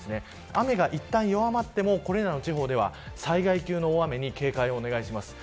雨がいったん弱まってもこれらの地方では災害級の大雨に警戒をお願いします。